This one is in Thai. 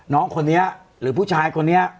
น้องคนนี้หรือผู้ชายคนนี้